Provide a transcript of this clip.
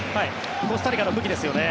コスタリカの武器ですよね。